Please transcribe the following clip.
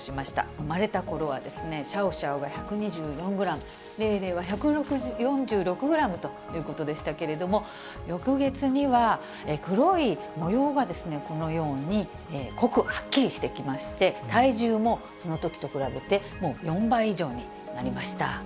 産まれたころは、シャオシャオが１２４グラム、レイレイは１４６グラムということでしたけれども、翌月には、黒い模様がこのように濃くはっきりしてきまして、体重もそのときと比べてもう４倍以上になりました。